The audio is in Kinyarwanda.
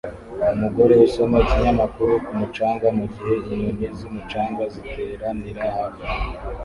Umugore usoma ikinyamakuru ku mucanga mugihe inyoni zumucanga ziteranira hafi